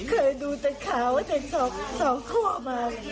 เคยดูแต่ข่าวว่าเด็กสองขวบมา